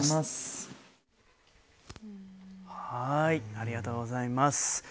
ありがとうございます。